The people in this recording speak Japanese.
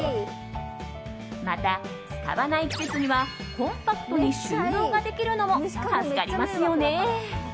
また、使わない季節にはコンパクトに収納ができるのも助かりますよね。